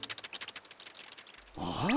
ああ？